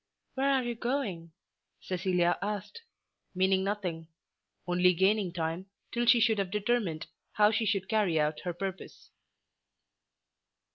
"Where are you going?" Cecilia asked, meaning nothing, only gaining time till she should have determined how she should carry out her purpose.